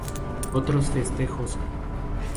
Otros festejos